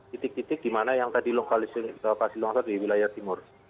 titik titik dimana yang tadi lokasi longcor di wilayah timur